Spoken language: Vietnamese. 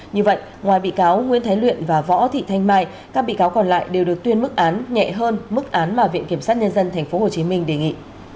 như vậy ngoài bị cáo nguyễn thái luyện và võ thị thanh mai các bị cáo còn lại đều được tuyên mức án nhẹ hơn mức án mà viện kiểm sát nhân dân tp hcm đề nghị